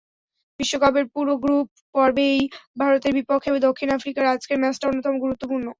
বিশ্বকাপের পুরো গ্রুপ পর্বেই ভারতের বিপক্ষে দক্ষিণ আফ্রিকার আজকের ম্যাচটা অন্যতম গুরুত্বপূর্ণ।